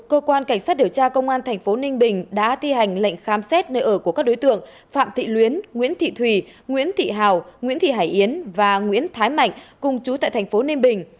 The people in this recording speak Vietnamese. cơ quan cảnh sát điều tra công an thành phố ninh bình đã thi hành lệnh khám xét nơi ở của các đối tượng phạm thị luyến nguyễn thị thùy nguyễn thị hào nguyễn thị hải yến và nguyễn thái mạnh cùng chú tại thành phố ninh bình